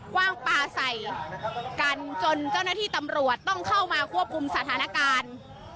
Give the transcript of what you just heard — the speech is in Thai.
กว้างปลาใส่กันจนเจ้าหน้าที่ตำรวจต้องเข้ามาควบคุมสถานการณ์